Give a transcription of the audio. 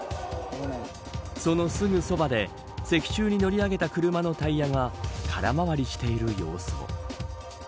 そのすぐそばで石柱に乗り上げた車のタイヤが空回りしている様子も。